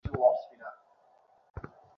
বৈদ্যনাথ সমস্ত রাত্রি কেবলই এঘর ওঘর করিলেন।